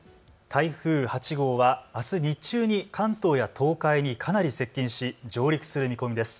台風８号はあす日中に関東や東海にかなり接近し上陸する見込みです。